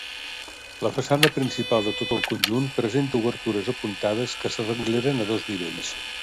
La façana principal de tot el conjunt presenta obertures apuntades que s'arrengleren a dos nivells.